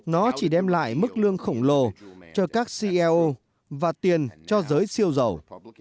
nó chỉ đem lại mức lương khổng lồ cho các cl và tiền cho giới siêu giàu